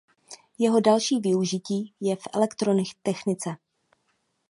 Jeho další využití je v elektrotechnice.